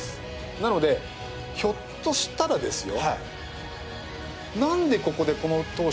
なのでひょっとしたらですよ。